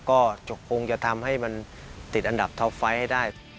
ก็คงจะทำให้มันติดอันดับท็อปไฟต์ให้ได้